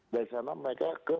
dari sana mereka ke